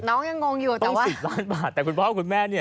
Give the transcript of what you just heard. น้องยังงงอยู่ต้อง๑๐๐๐๐บาทแต่คุณพ่อคุณแม่นี่